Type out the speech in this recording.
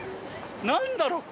⁉何だろう？